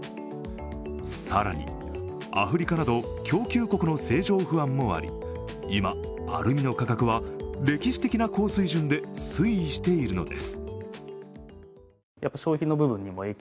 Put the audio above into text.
更にアフリカなど、供給国の政情不安もあり今、アルミの価格は歴史的な高水準で推移しているのです。